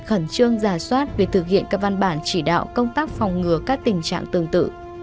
khẩn trương giả soát việc thực hiện các văn bản chỉ đạo công tác phòng ngừa các tình trạng tương tự